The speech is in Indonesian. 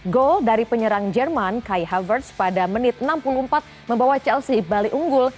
gol dari penyerang jerman kai havertz pada menit enam puluh empat membawa chelsea balik unggul